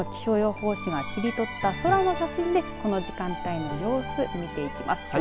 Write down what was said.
その気象予報士が切り取った空の写真で、この時間帯の様子を見ていきます。